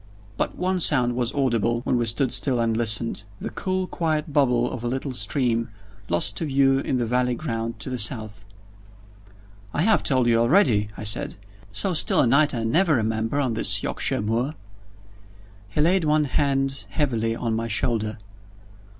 But one sound was audible, when we stood still and listened the cool quiet bubble of a little stream, lost to view in the valley ground to the south. "I have told you already," I said. "So still a night I never remember on this Yorkshire moor." He laid one hand heavily on my shoulder.